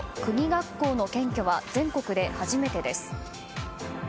学校の検挙は全国で初めてです。